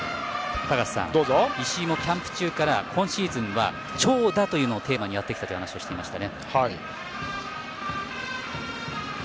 高瀬さん、石井もキャンプ中から今シーズンは長打というのをテーマにやってきたと話していました。